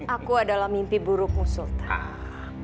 aku adalah mimpi burukmu sultan